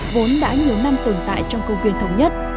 vốn đã nhiều năm tồn tại trong công viên thống nhất